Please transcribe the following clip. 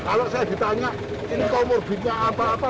kalau saya ditanya ini comorbidnya apa apa